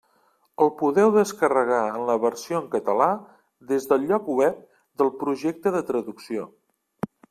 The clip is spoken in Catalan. El podeu descarregar en la versió en català des del lloc web del projecte de traducció.